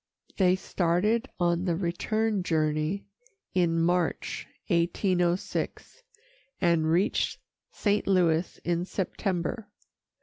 They started on the return journey in March, 1806, and reached St. Louis in September.